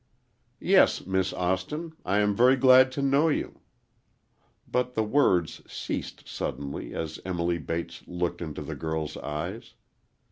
"Yes, Miss Austin,—I am very glad to know you." But the words ceased suddenly as Emily Bates looked into the girl's eyes.